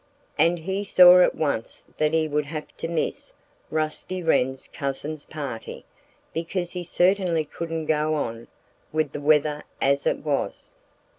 And he saw at once that he would have to miss Rusty Wren's cousin's party, because he certainly couldn't go on, with the weather as it was.